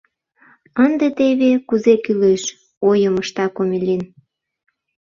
— Ынде теве кузе кӱлеш, — ойым ышта Комелин.